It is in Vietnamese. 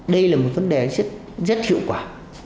đây là một vấn đề rất hiệu quả